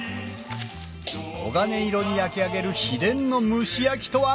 黄金色に焼き上げる秘伝の蒸し焼きとは？